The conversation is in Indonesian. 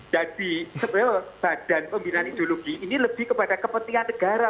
jadi badan pembinaan ideologi ini lebih kepada kepentingan negara